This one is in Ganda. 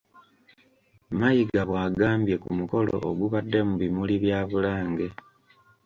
Mayiga bw'agambye ku mukolo ogubadde mu bimuli bya Bulange.